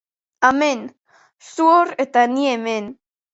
Amen, zu hor eta ni hemen.